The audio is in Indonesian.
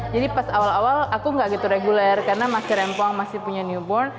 jadi pas awal awal aku nggak gitu reguler karena masih rempong masih punya newborn